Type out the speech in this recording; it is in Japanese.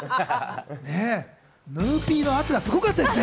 ヌーピーの圧がすごかったですね。